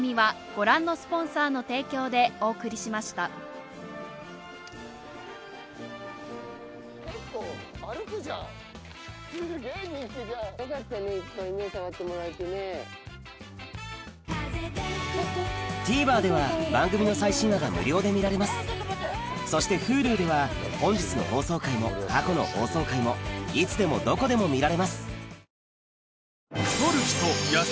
ＴＶｅｒでは番組の最新話が無料で見られますそしてＨｕｌｕでは本日の放送回も過去の放送回もいつでもどこでも見られます